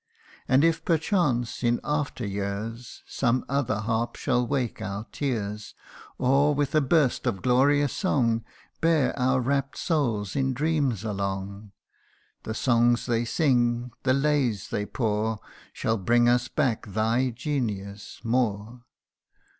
And if perchance, in after years, Some other harp shall wake our tears ; CANTO IV. 143 Or, with a burst of glorious song, Bear our rapt souls in dreams along: The songs they sing, the lays they pour, Shall bring us back thy genius Moore